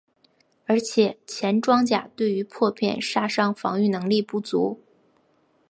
而且前装甲对于破片杀伤防御能力不足。